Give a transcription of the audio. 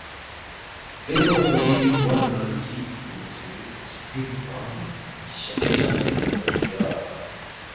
دیرے کھو لہ کُھوری بوا نہ زی اِتُو اونگسے سنِنگ کھوانگ لجق لجق تھینیدپا جُویا